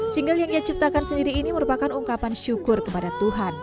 single yang ia ciptakan sendiri ini merupakan ungkapan syukur kepada tuhan